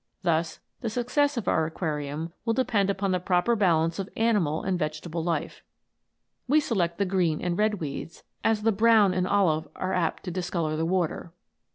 Thus, the success of our aquarium will depend upon the proper balance of animal and vegetable life. We select the green and red weeds, as the brown and olive are apt to discolour the water.